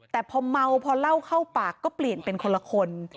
แต่พอเมาพอเล่าเข้าปากก็เปลี่ยนเป็นคนละคน